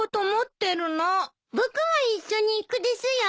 僕も一緒に行くですよ。